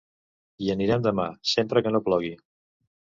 Hi anirem demà, sempre que no plogui.